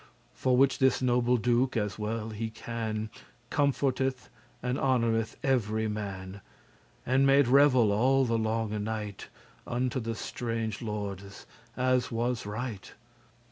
For which this noble Duke, as he well can, Comforteth and honoureth every man, And made revel all the longe night, Unto the strange lordes, as was right.